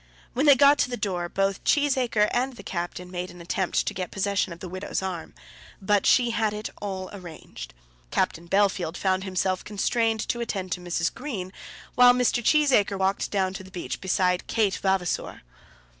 When they got to the door both Cheesacre and the captain made an attempt to get possession of the widow's arm. But she had it all arranged. Captain Bellfield found himself constrained to attend to Mrs. Green, while Mr. Cheesacre walked down to the beach beside Kate Vavasor.